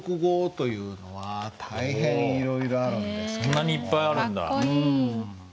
そんなにいっぱいあるんだ。